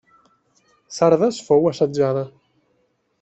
Sardes fou assetjada.